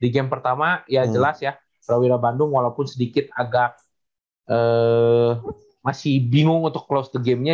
di game pertama ya jelas ya prawira bandung walaupun sedikit agak masih bingung untuk close to game nya